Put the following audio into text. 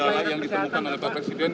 ada kendala yang ditemukan oleh pak presiden